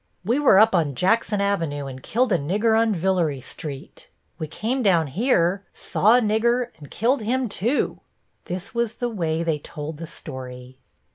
"We were up on Jackson Avenue and killed a Nigger on Villere Street. We came down here, saw a nigger and killed him, too." This was the way they told the story.